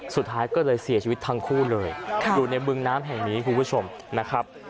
สุดท้ายก็เลยเสียชีวิตทั้งคู่เลยอยู่ในบึงน้ำแห่งนี้คุณผู้ชมนะครับ